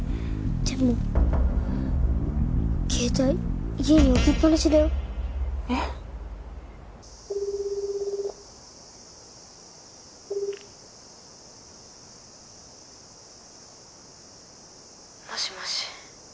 でも携帯家に置きっぱなしだよ。え。もしもし。